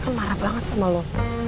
aku marah banget sama lo